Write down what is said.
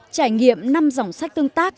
trải nghiệm năm dòng sách tương tác